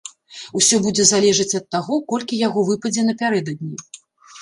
Усё будзе залежаць ад таго, колькі яго выпадзе напярэдадні.